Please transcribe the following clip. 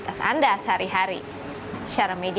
karena seperti yang aku cakap tadi